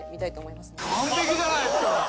完璧じゃないですか！